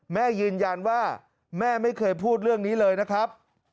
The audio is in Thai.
แม่ยืนยันว่าแม่ไม่เคยพูดเรื่องนี้เลยนะครับ